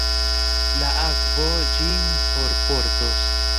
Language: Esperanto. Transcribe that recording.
La akvo ĝin forportos.